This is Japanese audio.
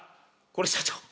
これ社長。